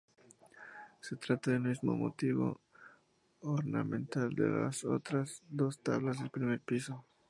Se trata del mismo motivo ornamental de los otras dos tablas del primer piso.